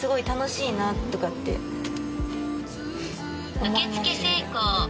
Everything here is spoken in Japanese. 「受付成功」